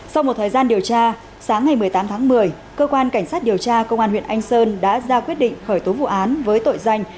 sau một thời gian điều tra sáng ngày một mươi tám tháng một mươi cơ quan cảnh sát điều tra công an huyện anh sơn đã ra quyết định khởi tố vụ án với tội danh